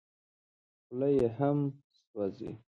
خوله یې هم سوځي .